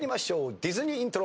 ディズニーイントロ。